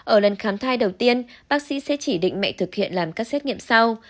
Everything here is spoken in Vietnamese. ở lần khám thai đầu tiên bác sĩ sẽ chỉ định mẹ thực hiện làm các xét nghiệm sau